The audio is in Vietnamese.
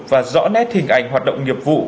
và rõ nét hình ảnh hoạt động nghiệp vụ